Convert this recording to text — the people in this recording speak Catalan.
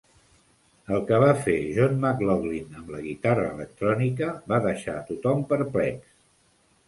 El que va fer John McLaughlin amb la guitarra electrònica va deixar a tothom perplex.